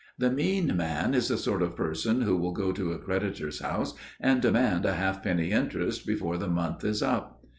The mean man is the sort of person who will go to a creditor's house and demand a half penny interest before the month is up.